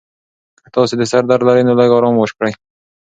که تاسي د سر درد لرئ، نو لږ ارام وکړئ.